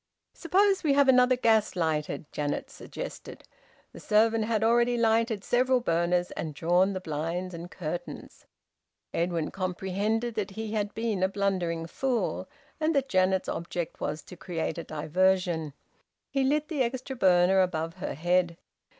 "Suppose we have another gas lighted," Janet suggested. The servant had already lighted several burners and drawn the blinds and curtains. Edwin comprehended that he had been a blundering fool, and that Janet's object was to create a diversion. He lit the extra burner above her head.